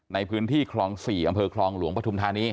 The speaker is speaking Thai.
ในพื้นที่คลอง๔อำเภอคลองหลวงปฐุมธานี